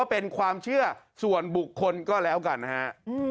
เป็นความเชื่อส่วนบุคคลก็แล้วกันนะฮะ